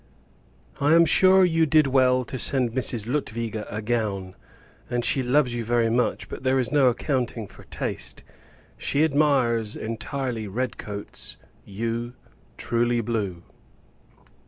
I am sure, you did well to send Mrs. Lutwidge a gown, and she loves you very much, but there is no accounting for taste. She admires entirely red coats; you, true blue.